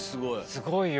すごいよ。